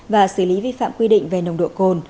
và xử lý vi phạm quy định về nồng độ cồn